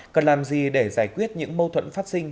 cần làm gì để giải quyết những mâu thuẫn phát sinh